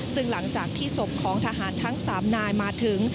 ซึ่งหลังจากที่ศพของทหารทั้ง๓นายมาถึง